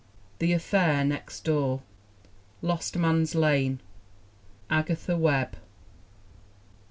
That Affair Next Door. Lost Man's Lane. Agatha Webb.